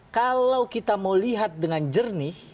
kalau kita mau lihat dengan jernih